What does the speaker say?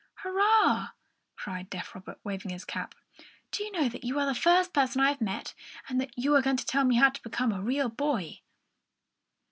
"Hurrah!" cried deaf Robert, waving his cap. "Do you know that you are the first person I have met, and that you are going to tell me how to become a real boy?"